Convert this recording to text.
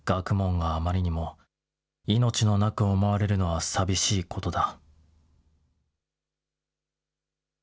学問が余りにも生命のなく思われるのは寂しいことだ。